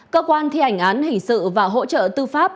cơ quan thi hành án hình sự và hỗ trợ tư pháp